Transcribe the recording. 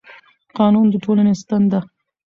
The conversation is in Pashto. قانون د ټولنې ستن ده